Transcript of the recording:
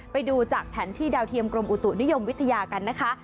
ไปดูจากแผนที่ดาวเทียมกรมอุตุนิยมวิทยากันนะคะ